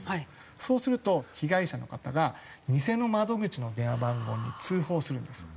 そうすると被害者の方が偽の窓口の電話番号に通報するんですよ。